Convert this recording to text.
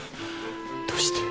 どうして？